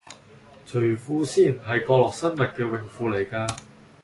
除褲先，係角落生物嘅泳褲嚟㗎